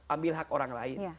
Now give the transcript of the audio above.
ambil hak orang lain